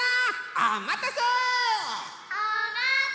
おまたせ！